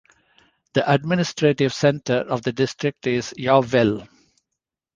The administrative centre of the district is Yeovil.